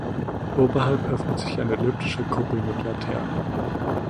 Oberhalb öffnet sich eine elliptische Kuppel mit Laterne.